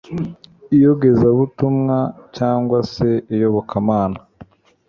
iyogezabutumwa cyangwa se iyobokamana